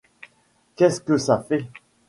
Qu'est-ce que ça fait ?